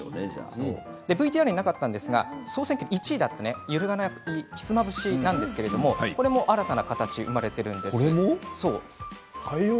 ＶＴＲになかったんですが総選挙１位だった揺るがないひつまぶしなんですけども新たな形、生まれているんです。